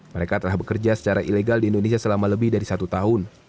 mereka telah bekerja secara ilegal di indonesia selama lebih dari satu tahun